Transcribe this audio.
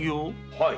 はい。